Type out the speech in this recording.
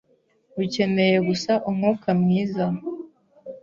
Ukeneye gusa umwuka mwiza.